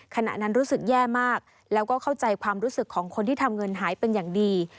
ขณะนั้นรู้สึกแย่มากแล้วก็เข้าใจความรู้สึกของคนที่ทำเงินหายเป็นอย่างดี